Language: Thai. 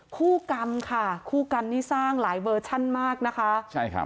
คู่กรรมค่ะคู่กรรมนี่สร้างหลายเวอร์ชั่นมากนะคะใช่ครับ